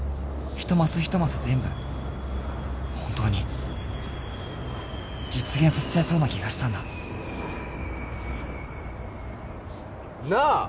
一マス一マス全部本当に実現させちゃいそうな気がしたんだなあ